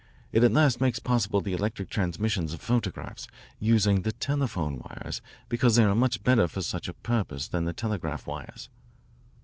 It at last makes possible the electric transmission of photographs, using the telephone wires because they are much better for such a purpose than the telegraph wires.